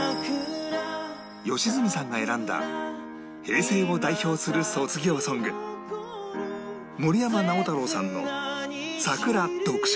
良純さんが選んだ平成を代表する卒業ソング森山直太朗さんの『さくら』